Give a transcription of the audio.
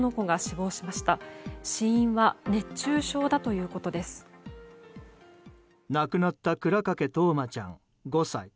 亡くなった倉掛冬生ちゃん、５歳。